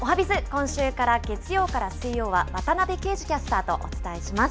今週から月曜から水曜は、渡部圭司キャスターとお伝えします。